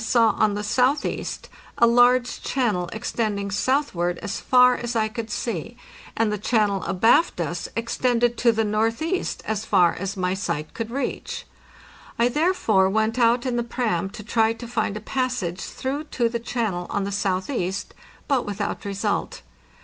From the crow's nest I saw on the southeast a large channel extending southward as far as I could see, and the channel abaft us ex tended to the northeast as far as my sight could reach. I therefore went out in the "pram" to try to find a passage through to the channel on the southeast, but without result.